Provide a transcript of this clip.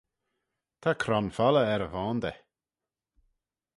Ta cron folley er y voandey.